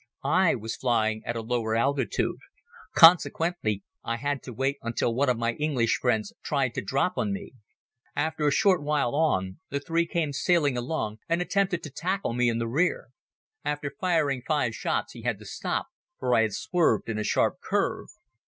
I was flying at a lower altitude. Consequently I had to wait until one of my English friends tried to drop on me. After a short while on the three came sailing along and attempted to tackle me in the rear. After firing five shots he had to stop for I had swerved in a sharp curve.